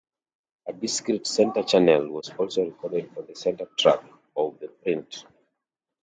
A discrete center channel was also recorded on the center track of the print.